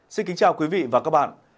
xin kính chào quý vị và các bạn